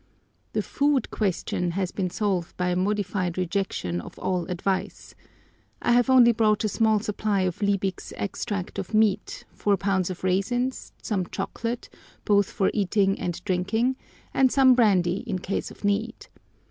The "Food Question" has been solved by a modified rejection of all advice! I have only brought a small supply of Liebig's extract of meat, 4 lbs. of raisins, some chocolate, both for eating and drinking, and some brandy in case of need.